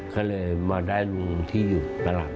ก็เลยมาได้ลุงที่อยู่ตลาด